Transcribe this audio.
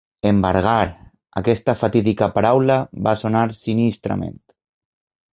Embargar! Aquesta fatídica paraula va sonar sinistrament